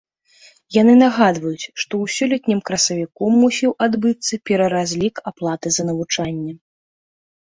Яны нагадваюць, што ў сёлетнім красавіку мусіў адбыцца пераразлік аплаты за навучанне.